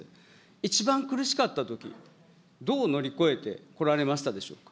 一番苦しかったとき、どう乗り越えてこられましたでしょうか。